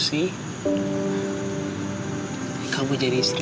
sampai kapan andre melamar dewi